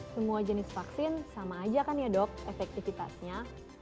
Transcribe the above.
semua jenis vaksin sama aja kan ya dok efektivitasnya